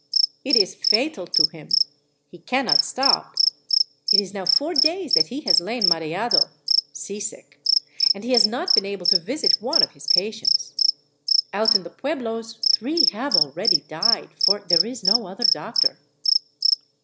It is fatal to him. He cannot stop. It is now four days that he has lain mareado " (seasick), " and he has not been able to visit one of his pa tients. Out in the pueblos three have already died; for there is no other doctor."